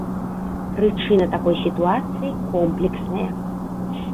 Прычына такой сітуацыі комплексная.